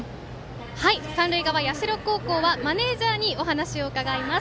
三塁側、社高校はマネージャーにお話を伺います。